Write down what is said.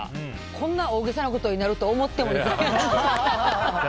こんな大げさなことになるとは思ってもみなかった。